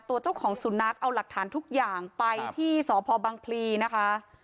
ตัวเจ้าของสุนัขเอาหลักฐานทุกอย่างไปที่สพบังพลีนะคะ